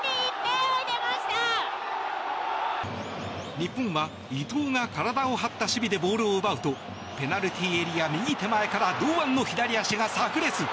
日本は伊東が体を張った守備でボールを奪うとペナルティーエリア右手前から堂安の左足が炸裂。